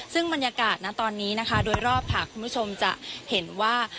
ซึ่งบรรยากาศนะตอนนี้นะคะโดยรอบค่ะคุณผู้ชมจะเห็นว่า